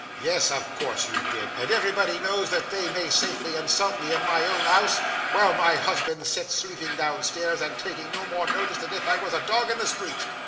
'Yes, of course you did! And everybody knows that they may safely insult me in my own 'ouse while my husband sits sleeping downstairs, and taking no more notice than if I was a dog in the streets.